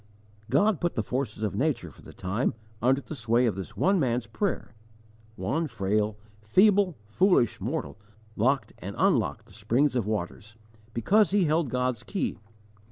God put the forces of nature for the time under the sway of this one man's prayer one frail, feeble, foolish mortal locked and unlocked the springs of waters, because he held God's key.